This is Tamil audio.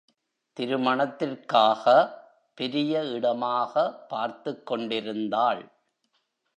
திருமணத்திற்காக பெரிய இடமாக பார்த்துக் கொண்டிருந்தாள்.